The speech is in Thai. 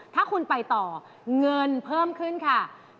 ถ้าคุณไปต่อเงินเพิ่มขึ้นค่ะ